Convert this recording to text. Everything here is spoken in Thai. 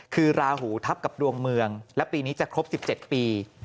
คือราหูทับกับดวงเมืองและปีนี้จะครบ๑๗ปี